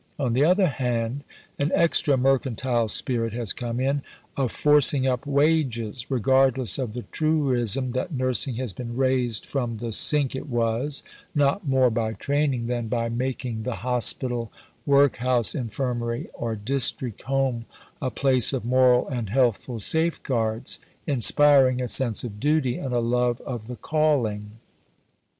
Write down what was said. On the other hand, an extra mercantile spirit has come in of forcing up wages, regardless of the truism that Nursing has been raised from the sink it was, not more by training, than by making the Hospital, Workhouse Infirmary, or District Home a place of moral and healthful safe guards, inspiring a sense of duty and love of the calling."